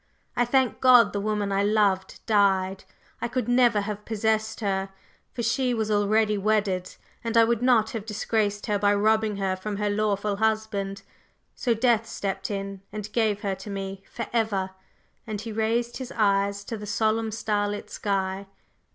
I thank God the woman I loved died, I could never have possessed her, for she was already wedded, and I would not have disgraced her by robbing her from her lawful husband. So Death stepped in and gave her to me forever!" and he raised his eyes to the solemn starlit sky.